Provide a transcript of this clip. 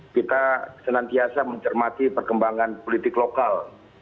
kita senantiasa mencermati perkembangan politik lokal